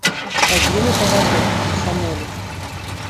А з імі павадыр, камсамолец.